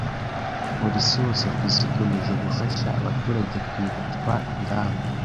Police hose ku isi ikomeje gufasha abaturage kwibutswa ingamba